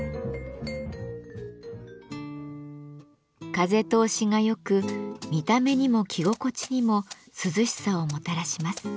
風通しが良く見た目にも着心地にも涼しさをもたらします。